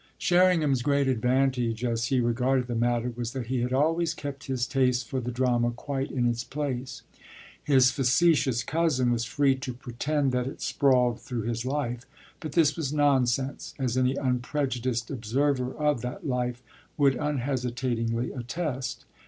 Sherringham's great advantage, as he regarded the matter, was that he had always kept his taste for the drama quite in its place. His facetious cousin was free to pretend that it sprawled through his life; but this was nonsense, as any unprejudiced observer of that life would unhesitatingly attest.